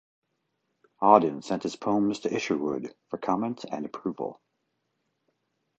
Auden sent his poems to Isherwood for comment and approval.